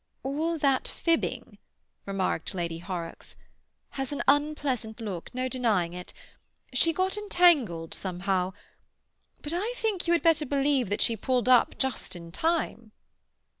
"All that fibbing," remarked Lady Horrocks, "has an unpleasant look. No denying it. She got entangled somehow. But I think you had better believe that she pulled up just in time."